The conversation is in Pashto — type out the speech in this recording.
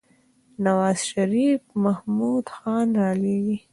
نوازشريف محمود خان رالېږي.